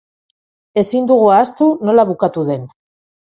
Ezin dugu ahaztu nola bukatu den.